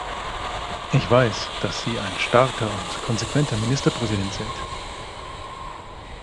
Ich weiß, dass Sie ein starker und konsequenter Ministerpräsident sind.